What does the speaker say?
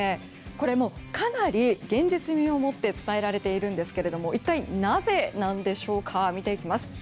これ、かなり現実味を持って伝えられているんですが一体、なぜなんでしょうか見ていきます。